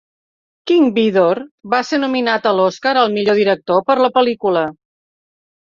King Vidor va ser nominat a l'Oscar al Millor Director per la pel·lícula.